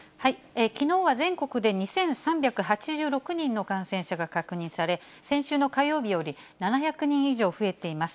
きのうは、全国で２３８６人の感染者が確認され、先週の火曜日より７００人以上増えています。